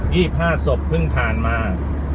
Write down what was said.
ี่ห้าศพเพิ่งผ่านมา